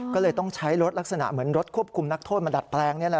ก็เลยต้องใช้รถลักษณะเหมือนรถควบคุมนักโทษมาดัดแปลงนี่แหละ